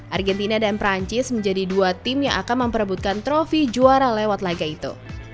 argentina dan perancis menjadi dua tim yang akan memperebutkan trofi juara lewat laga itu